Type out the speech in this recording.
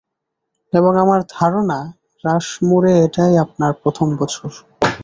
এবং আমার ধারনা রাশমোরে এটাই আপনার প্রথম বছর।